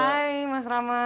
hai mas rahmat